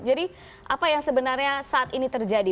jadi apa yang sebenarnya saat ini terjadi